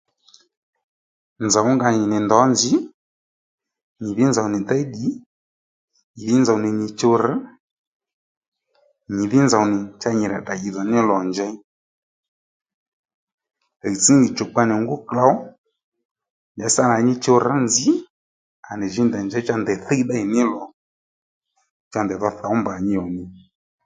Nzòw ónga nì ndèy ndǒ nzǐ nzǐ nzòw ní déy ddì nyí dhí nzòw nì nyi chuw rr nyìdhí nzòw nì cha nyì rà tdra ì dhò ní lò njěy ì zzǐ nì djòkpoa nì ngú klǒw njàddí sâ nà nyi chuw rr nzǐ à nì jǐ ndèy njèy cha ndèy thíy ddéy ní lò cha ndèydho thǒw mbà nyi ò nì